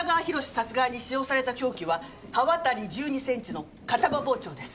殺害に使用された凶器は刃渡り１２センチの片刃包丁です。